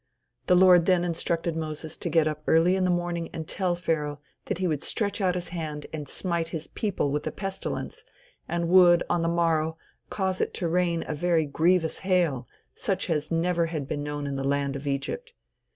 The Lord then instructed Moses to get up early in the morning and tell Pharaoh that he would stretch out his hand and smite his people with a pestilence, and would, on the morrow, cause it to rain a very grievous hail, such as had never been known in the land of Egypt.